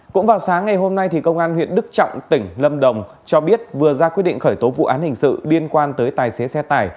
cũng vào sáng ngày hôm nay công an huyện đức trọng tỉnh lâm đồng cho biết vừa ra quyết định khởi tố vụ án hình sự liên quan tới tài xế xe tải